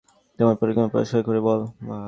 তোমার পরিকল্পনা পরিষ্কার করে বল।